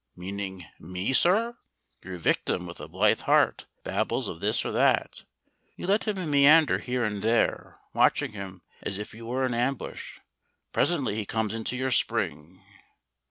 "Meaning me, sir?" Your victim with a blithe heart babbles of this or that. You let him meander here and there, watching him as if you were in ambush. Presently he comes into your spring.